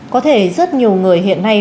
có thể rất nhiều người hiện nay